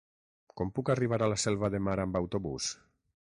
Com puc arribar a la Selva de Mar amb autobús?